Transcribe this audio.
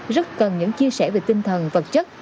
rất cần những chia sẻ về tinh thần vật chất